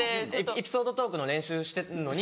エピソードトークの練習してんのに。